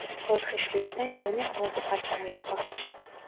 ოთხი შვილიდან ჯონი ყველაზე პატარა იყო.